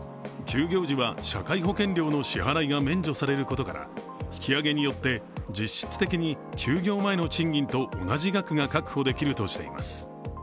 休業時は社会保険料の支払いが免除されることから引き上げによって実質的に休業前の賃金と同じ額が確保できるとしています。